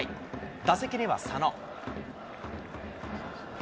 打席には佐野。